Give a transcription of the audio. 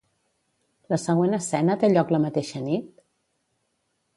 La següent escena té lloc la mateixa nit?